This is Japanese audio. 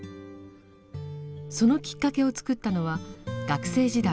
そのきっかけを作ったのは学生時代